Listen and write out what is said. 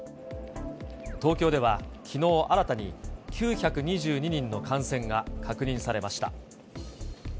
東京では、きのう新たに９２２人の感染が確認されました。